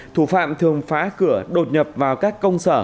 thủ phạm thường phá cửa đột nhập vào các công sở